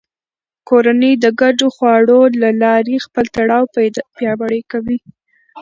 کورنۍ د ګډو خواړو له لارې خپل تړاو پیاوړی کوي